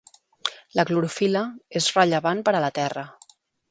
La clorofil·la és rellevant per a la Terra.